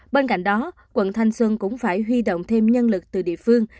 bên cạnh đó quận thanh xuân cũng phải huy động thêm nhân lực từ địa phương